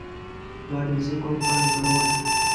• د علیزي قوم خلک زړور دي.